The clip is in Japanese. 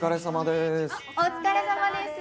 お疲れさまでーす。